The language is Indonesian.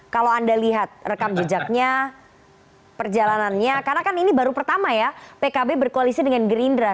kalau anda lihat rekam jejaknya perjalanannya karena kan ini baru pertama ya pkb berkoalisi dengan gerindra